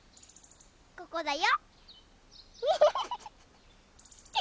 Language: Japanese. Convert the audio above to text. ここだよ！